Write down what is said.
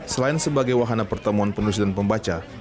selain sebagai wahana pertemuan penulis dan pembaca